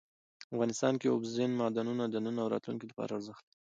افغانستان کې اوبزین معدنونه د نن او راتلونکي لپاره ارزښت لري.